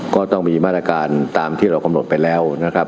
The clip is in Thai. ก็ต้องมีมาตรการตามที่เรากำหนดไปแล้วนะครับ